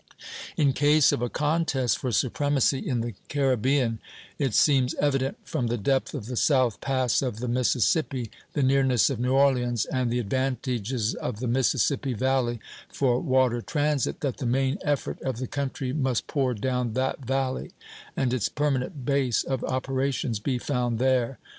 In case of a contest for supremacy in the Caribbean, it seems evident from the depth of the South Pass of the Mississippi, the nearness of New Orleans, and the advantages of the Mississippi Valley for water transit, that the main effort of the country must pour down that valley, and its permanent base of operations be found there.